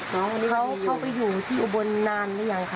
เขาไปอยู่ที่อุบนนานไม่ไหวค่ะ